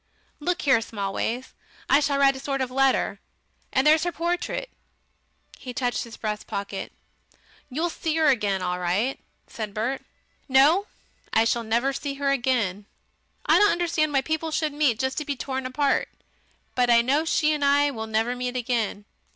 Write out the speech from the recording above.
Look here, Smallways, I shall write a sort of letter And there's her portrait." He touched his breast pocket. "You'll see 'er again all right," said Bert. "No! I shall never see her again.... I don't understand why people should meet just to be torn apart. But I know she and I will never meet again.